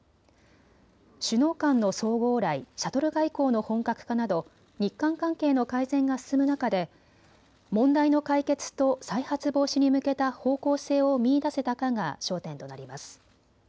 首脳間の相互往来、シャトル外交の本格化など日韓関係の改善が進む中で問題の解決と再発防止に向けた方向性を見いだせたかが焦点となります。